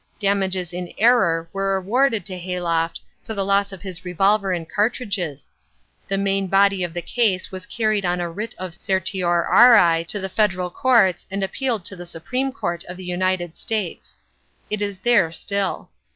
Damages in error were awarded to Hayloft for the loss of his revolver and cartridges. The main body of the case was carried on a writ of certiorari to the Federal Courts and appealed to the Supreme Court of the United States. It is there still.